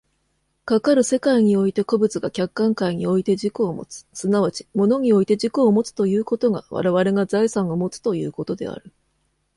かかる世界において個物が客観界において自己をもつ、即ち物において自己をもつということが我々が財産をもつということである。